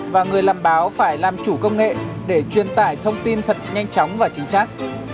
và người làm báo phải làm chủ công nghệ để truyền tải thông tin thật nhanh chóng và chính xác